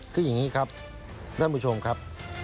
คืออย่างนี้ครับท่านผู้ชมครับ